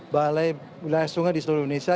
balai wilayah sungai di seluruh indonesia